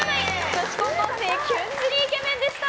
女子高校生キュン死にイケメンでした。